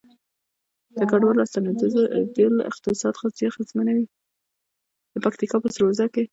د پکتیکا په سروضه کې د سمنټو مواد شته.